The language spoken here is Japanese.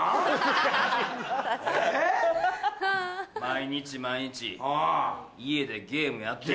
毎日毎日家でゲームやってた。